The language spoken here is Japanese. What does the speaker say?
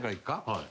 はい。